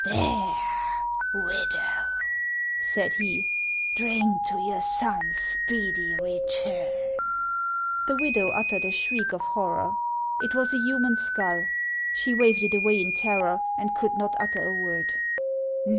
" There, widow," said he, " drink to your son's speedy return !" The widow uttered a shriek of horror. It was a human skull. She waved it away in terror, and could not utter a word.